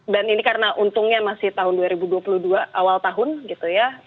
dan ini karena untungnya masih tahun dua ribu dua puluh dua awal tahun gitu ya